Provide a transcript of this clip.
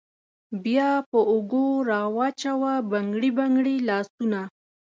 بیا په اوږو راوچوه بنګړي بنګړي لاسونه